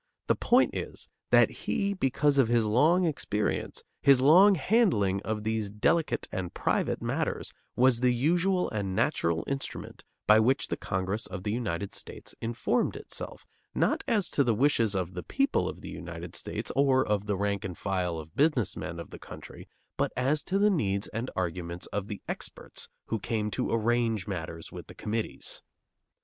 The point is that he, because of his long experience, his long handling of these delicate and private matters, was the usual and natural instrument by which the Congress of the United States informed itself, not as to the wishes of the people of the United States or of the rank and file of business men of the country, but as to the needs and arguments of the experts who came to arrange matters with the committees.